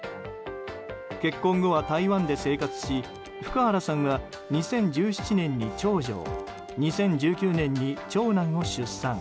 結婚後は台湾で生活し福原さんが２０１７年に長女を２０１９年に長男を出産。